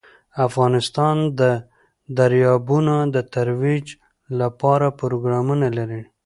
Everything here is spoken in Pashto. افغانستان د دریابونه د ترویج لپاره پروګرامونه لري.